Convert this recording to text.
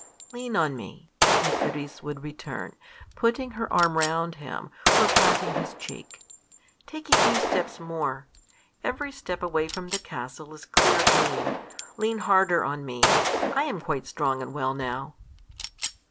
"Lean on me," Nycteris would return, putting her arm round him, or patting his cheek. "Take a few steps more. Every step away from the castle is clear gain. Lean harder on me. I am quite strong and well now."